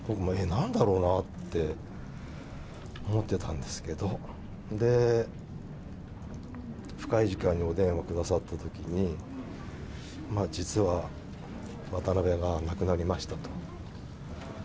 なんだろうなって思ってたんですけど、で、深い時間にお電話くださったときに、実は渡辺が亡くなりましたと。